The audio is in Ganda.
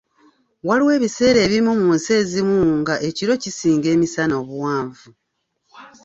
Waliwo ebiseera ebimu mu nsi ezimu nga ekiro kisinga emisana obuwanvu.